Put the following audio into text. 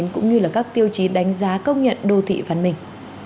cũng như các tiêu chí đánh giá công nhận đô thị văn minh